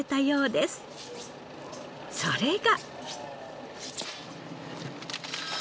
それが。